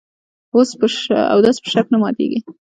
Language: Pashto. اودس په شک نه ماتېږي .